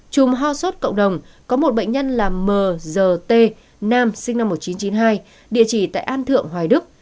chùm ho sốt cộng đồng có một bệnh nhân là mg t nam sinh năm một nghìn chín trăm chín mươi hai địa chỉ tại an thượng hoài đức